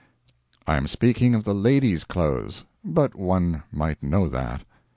I am speaking of the ladies' clothes; but one might know that.